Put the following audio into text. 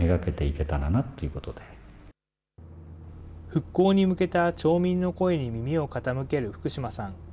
復興に向けた町民の声に耳を傾ける福島さん。